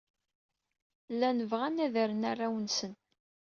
Llan bɣan ad d-rren arraw-nsen.